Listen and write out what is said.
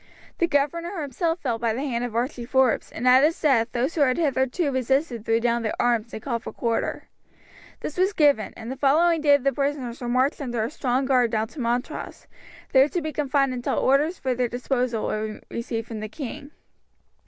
The governor himself fell by the hand of Archie Forbes, and at his death those who had hitherto resisted threw down their arms and called for quarter. This was given, and the following day the prisoners were marched under a strong guard down to Montrose, there to be confined until orders for their disposal were received from the king.